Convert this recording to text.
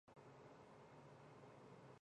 关于小孩堤防的得名历史有许多故事。